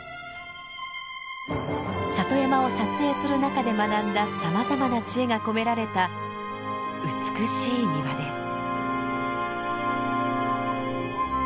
里山を撮影する中で学んださまざまな知恵が込められた美しい庭です。